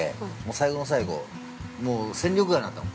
最後の最後、戦力外になったの。